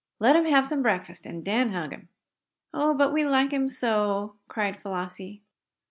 Let him hab some breakfast, an' den hug him!" "Oh, but we like him so!" cried Flossie.